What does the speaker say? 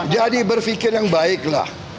jadi berpikir yang baiklah